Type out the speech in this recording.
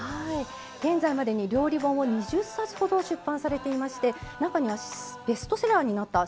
現在までに料理本を２０冊ほど出版されていまして中にはベストセラーになったシリーズもあるそうですね。